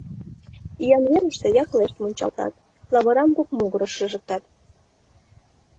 Иян верыште яклешт мунчалтат, лавырам кок могырыш шыжыктат.